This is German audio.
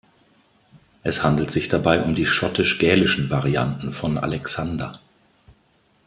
Es handelt sich dabei um die schottisch-gälischen Varianten von Alexander.